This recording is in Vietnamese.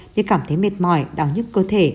như cảm thấy mệt mỏi đau nhức cơ thể